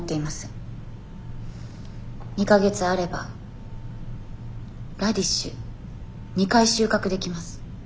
２か月あればラディッシュ２回収穫できます。